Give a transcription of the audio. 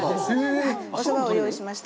そばを用意しました。